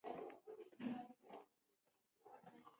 Amaia Puertas fue la ganadora.